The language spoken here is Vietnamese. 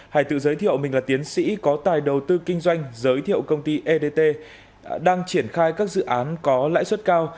hải tự giới thiệu mình là tiến sĩ có tài đầu tư kinh doanh giới thiệu công ty edt đang triển khai các dự án có lãi suất cao